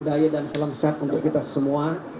daya dan salam sehat untuk kita semua